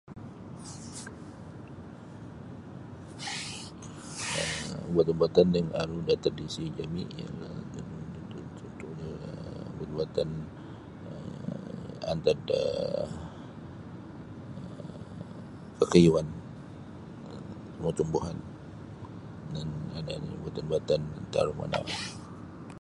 um ubat-ubatan yang aru da tradisi jami ialah cuntuhnyo ubat-ubatan um antad da um kakayuan tumbuh-tumbuhan dan ada nini ubat-ubatan. [unintelligible]